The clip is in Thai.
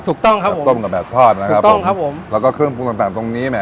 ถูกต้องครับผมต้มกับแบบทอดนะครับต้มครับผมแล้วก็เครื่องปรุงต่างต่างตรงนี้แหม